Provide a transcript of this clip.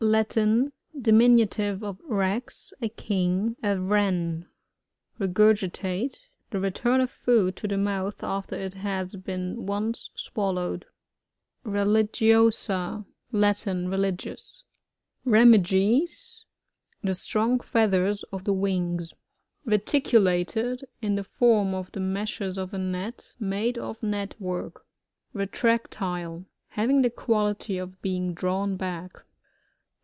— Latin. Diminutive of rear, a king. A Wren. Regurgitate. — The return of food to the mouth afler it has been (mce swallowed. Religiosa.— Latin. Religious. Remiges. — The strong feathers of the wings. dbyGoOgk ORNrrHOL0GY: GLOSSARir. les RxTicTjLATBi>. >— In the ferm of the meshes of a net; made of net ; work, RrrRAOTiiJE. — Having the quality of being drawn back.